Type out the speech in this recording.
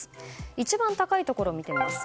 一番高いところを見てみます。